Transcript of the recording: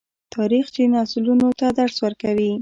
تاریخ چې نسلونو ته درس ورکوي.